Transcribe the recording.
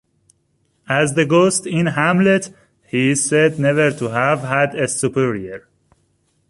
As the ghost in "Hamlet" he is said never to have had a superior.